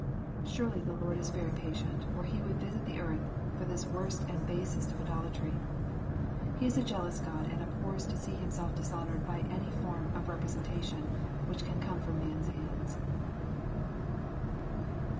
Surely the Lord is very patient, or he would visit the earth for this worst and basest of idolatry. Ho is a jealous God, and abhors to see himself dishonoured by any form of representation which can come from maa^s hands.